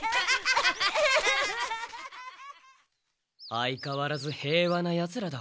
相かわらず平和なヤツらだ。